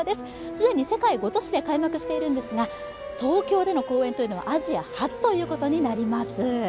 既に世界５都市で開幕しているんですが東京での公演というのはアジア初ということになります。